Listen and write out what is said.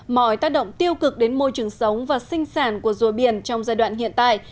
mọi tác động tiêu cực đến môi trường sống và sinh sản của rùa biển trong giai đoạn hiện tại